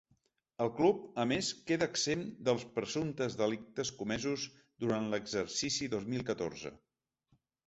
El club, a més, queda exempt dels presumptes delictes comesos durant l’exercici dos mil catorze.